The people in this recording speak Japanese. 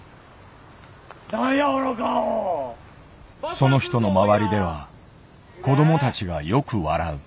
その人の周りでは子どもたちがよく笑う。